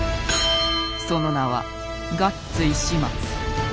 その名はガッツ石松。